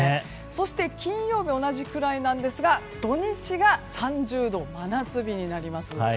そして、金曜日同じくらいなんですが土日が３０度真夏日になります。